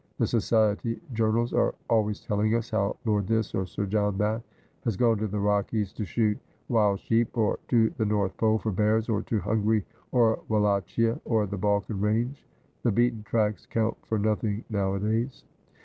The Society Jour nals are always telling us how Lord This or Sir John That has gone to the Rockies to shoot wild sheep, or to the North Pole for bears, or to Hungary or Wallachia, or the Balkan range. The beaten tracks count for nothing nowadays.'